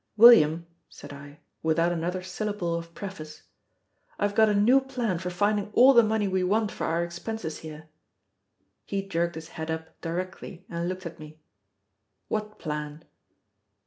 "William," said I, without another syllable of preface, "I have got a new plan for finding all the money we want for our expenses here." He jerked his head up directly, and looked at me. What plan?